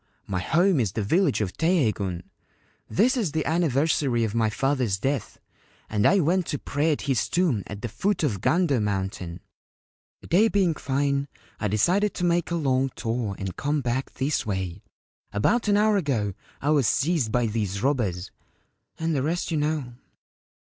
My home is the village of Teiheigun. This is the anniversary of my father's death, and I went to pray at his tomb at the foot of Gando Mountain. The day being fine, I decided to make a long tour and come back this way. About an hour ago I was seized by these robbers ; and the rest you know.